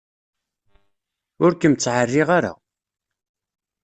Ur kem-ttεerriɣ ara.